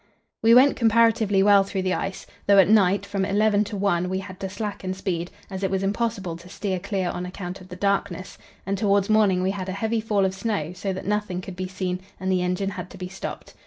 We went comparatively well through the ice, though at night from eleven to one we had to slacken speed, as it was impossible to steer clear on account of the darkness, and towards morning we had a heavy fall of snow, so that nothing could be seen, and the engine had to be stopped.